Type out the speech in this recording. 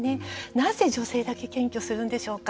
なぜ女性だけ検挙するんでしょうか。